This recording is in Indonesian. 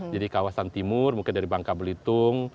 jadi kawasan timur mungkin dari bangka belitung